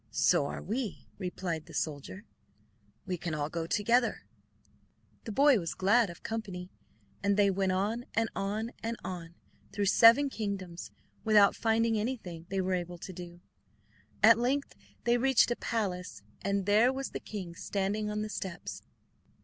"So are we," replied the soldier. "We can all go together." The boy was glad of company and they went on, and on, and on, through seven kingdoms, without finding anything they were able to do. At length they reached a palace, and there was the king standing on the steps.